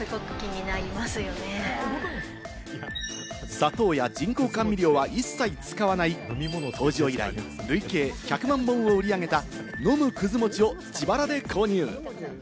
砂糖や人工甘味料は一切使わない、登場以来、累計１００万本を売り上げた、飲むくず餅を自腹で購入。